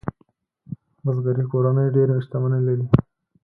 بزګري کورنۍ ډېرې شتمنۍ لرلې.